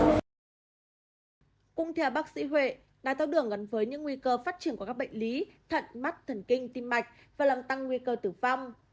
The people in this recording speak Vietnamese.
cùng theo bác sĩ huệ đai thác đường gần với những nguy cơ phát triển của các bệnh lý thận mắc thần kinh tim mạch và làm tăng nguy cơ tử vong